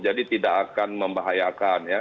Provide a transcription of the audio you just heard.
jadi tidak akan membahayakan ya